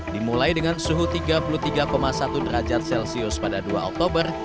dimulai dengan suhu tiga puluh tiga satu derajat celcius pada dua oktober